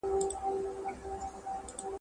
بېګا خوب کي راسره وې نن غزل درته لیکمه ..